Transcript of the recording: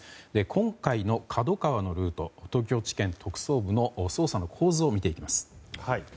今回のＫＡＤＯＫＡＷＡのルート東京地検特捜部の捜査の構図を見ていきます。